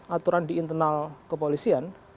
aturan di internal kepolisian